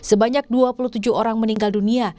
mampan zat panwar ini jadi tit